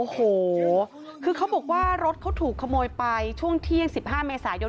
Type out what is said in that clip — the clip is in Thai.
โอ้โหคือเขาบอกว่ารถเขาถูกขโมยไปช่วงเที่ยง๑๕เมษายน